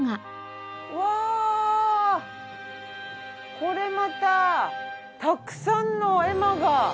うわこれまたたくさんの絵馬が。